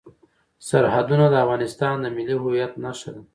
سرحدونه د افغانستان د ملي هویت نښه ده.